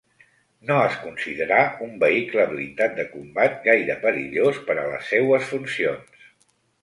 No es considerà un vehicle blindat de combat gaire perillós per a les seues funcions.